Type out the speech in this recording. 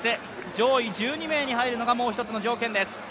上位１２名に入るのがもう一つの条件です。